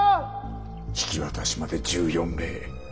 引き渡しまで１４名。